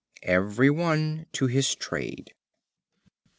Every one to his trade.